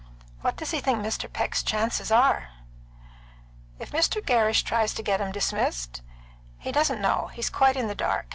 What does he think Mr. Peck's chances are?" "If Mr. Gerrish tries to get him dismissed? He doesn't know; he's quite in the dark.